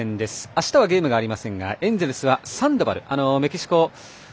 あしたはゲームがありませんがエンジェルスはサンドバル。